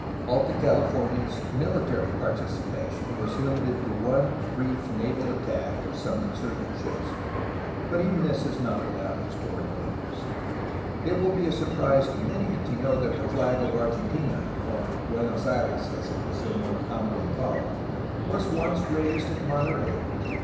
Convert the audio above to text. Alta CaUfornia's miUtary participation was Umited to one brief naval attack of some insurgent ships, but even this is not without historical interest. It will be a surprise to many to know that the flag of Argentina — or Buenos Aires as it was then more commonly called — ^was once raised at Monterey.